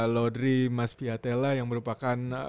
laudri mas piatela yang merupakan